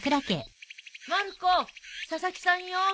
・まる子佐々木さんよ。